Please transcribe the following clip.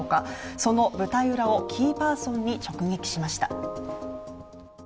その舞台裏をキーパーソンに直撃しました。